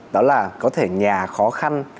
đó là có thể nhà khó khăn